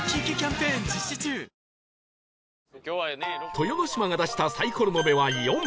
豊ノ島が出したサイコロの目は「４」